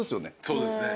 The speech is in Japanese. そうですね。